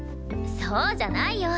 そうじゃないよ。